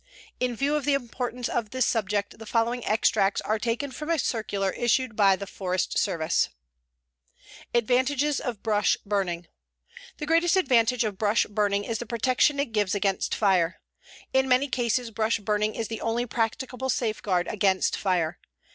In view of the importance of this subject the following extracts are taken from a circular issued by the Forest Service: "Advantages of Brush Burning "The greatest advantage of brush burning is the protection it gives against fire. In many cases brush burning is the only practicable safeguard against fire.